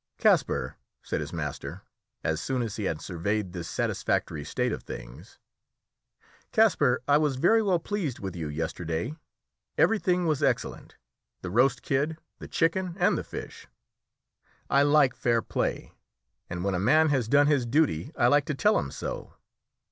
"Kasper," said his master, as soon as he had surveyed this satisfactory state of things "Kasper, I was very well pleased with you yesterday; everything was excellent; the roast kid, the chicken, and the fish. I like fair play, and when a man has done his duty I like to tell him so.